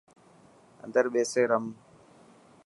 اندر ٻيسي رم.